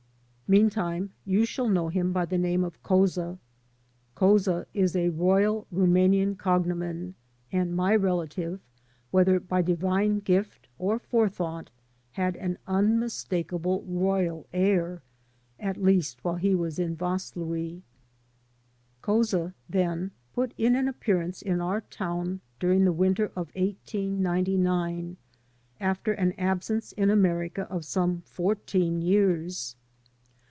Meantime you shall know him by the name of Couza. Couza is a royal Rumanian cognomen, and my relative, whether by divine gift or forethought, had an unmistakable royal air, at least while he was in Vaslui. Couza, then, put in an appearance in our town during the winter of 1899, after an absence in America of some fourteen years.